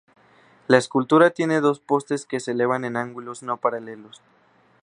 La escultura tiene dos postes que se elevan en ángulos no paralelos.